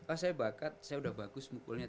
ah saya bakat saya udah bagus mungkulnya